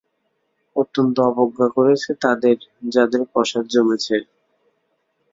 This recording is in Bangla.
অত্যন্ত অবজ্ঞা করছে তাদের যাদের পসার জমেছে।